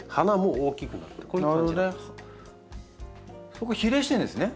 そこ比例してるんですね。